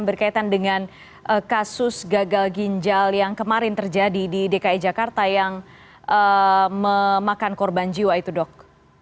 berkaitan dengan kasus gagal ginjal yang kemarin terjadi di dki jakarta yang memakan korban jiwa itu dok